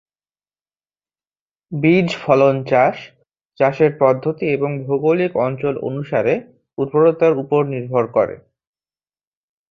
বীজ ফলন চাষ, চাষের পদ্ধতি এবং ভৌগোলিক অঞ্চল অনুসারে উর্বরতার উপর নির্ভর করে।